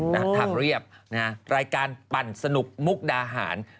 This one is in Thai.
ทางเรียบนะฮะรายการปั่นสนุกมุกดาหาร